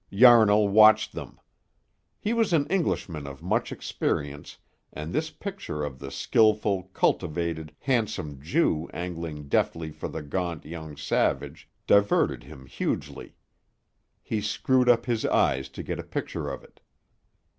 Yarnall watched them. He was an Englishman of much experience and this picture of the skillful, cultivated, handsome Jew angling deftly for the gaunt, young savage diverted him hugely. He screwed up his eyes to get a picture of it.